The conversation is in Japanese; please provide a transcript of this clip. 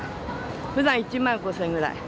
ふだん１万５０００円ぐらい。